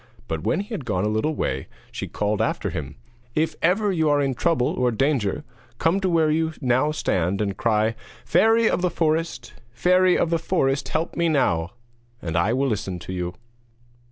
But when he had gone a little way she called after him: 'If ever you are in trouble or danger, come to where you now stand and cry: "Fairy of the Forest! Fairy of the forest, help me now!" And I will listen to you.'